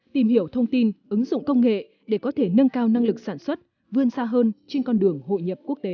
tìm hiểu thông tin ứng dụng công nghệ để có thể nâng cao năng lực sản xuất vươn xa hơn trên con đường hội nhập quốc tế